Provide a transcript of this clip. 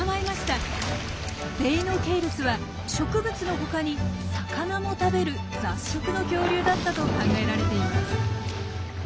デイノケイルスは植物の他に魚も食べる雑食の恐竜だったと考えられています。